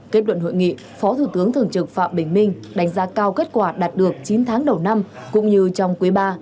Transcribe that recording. kết luận hội nghị phó thủ tướng thường trực phạm bình minh đánh giá cao kết quả đạt được chín tháng đầu năm cũng như trong quý ba